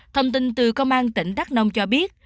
thông tin từ công an tỉnh đắk nông cho biết